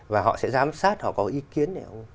và họ sẽ giám sát họ có ý kiến để không